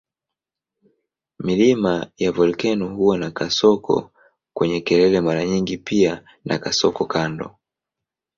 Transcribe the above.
Milima ya volkeno huwa na kasoko kwenye kelele mara nyingi pia na kasoko kando.